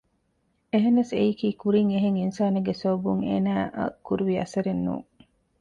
އެހެނަސް އެއީކީ ކުރިން އެހެން އިންސާނެއްގެ ސަބަބުން އޭނާއަށް ކުރުވި އަސަރެއް ނޫން